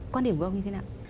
quan điểm của ông như thế nào